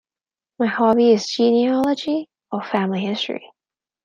My hobby is genealogy, or family history.